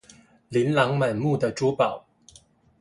琳琅滿目的珠寶